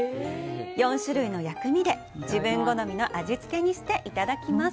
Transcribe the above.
４種類の薬味で自分好みの味つけにしていただきます。